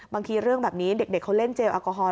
บางทีเรื่องแบบนี้เด็กเขาเล่นเจลแอลกอฮอล